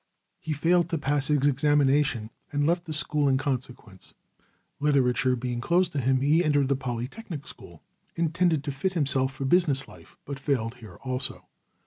He failed to pass his examination and left the school in consequence. Literature being closed to him, he entered the Polytechnic school, intending to fit himself for business life, but failed here also.